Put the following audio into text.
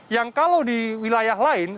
yang kalau di wilayah lain